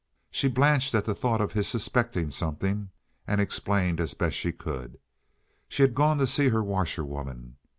She blanched at the thought of his suspecting something, and explained as best she could. She had gone to see her washerwoman.